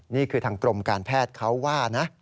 นี่คือทางกรมการแพทย์เขาว่านะ